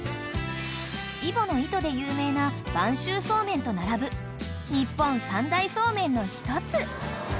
［揖保乃糸で有名な播州そうめんと並ぶ日本三大そうめんの一つ］